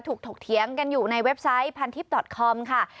ถูกถกเทียงกันอยู่ในเว็บไซต์พันธิบค่ะ